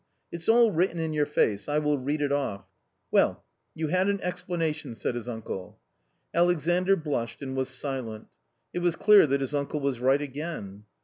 It's all written in your face, I will read it off. Well, you had an explanation," said his uncle. Alexandr blushed and was silent. It was clear that his uncle was right again.